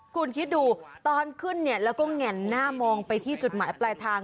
คุณคิดดูตอนขึ้นเนี่ยแล้วก็แห่นหน้ามองไปที่จุดหมายปลายทาง